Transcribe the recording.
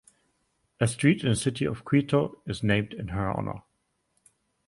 A street in the city of Quito is named in her honor.